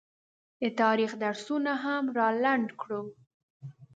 د تاریخ درسونه هم رالنډ کړو